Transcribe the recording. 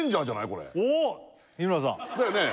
これおおっ日村さんだよね